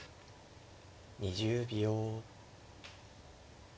２０秒。